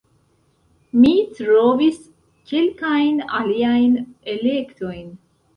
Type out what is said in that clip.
Mi trovis kelkajn aliajn elektojn